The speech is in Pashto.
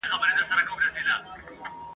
د ګل پر سیمه هر سبا راځمه !.